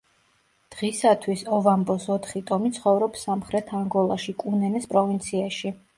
დღისათვის ოვამბოს ოთხი ტომი ცხოვრობს სამხრეთ ანგოლაში, კუნენეს პროვინციაში.